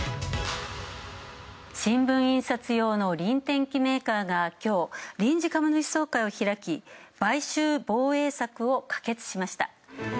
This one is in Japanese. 新聞印刷用の輪転機メーカーがきょう、臨時株主総会を開き、買収防衛策を可決しました。